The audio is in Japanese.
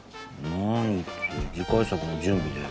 何って次回作の準備だよ。